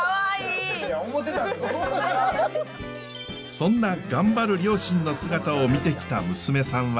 そんな頑張る両親の姿を見てきた娘さんは。